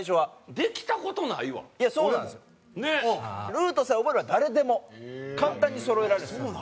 ルートさえ覚えれば誰でも簡単にそろえられるんです。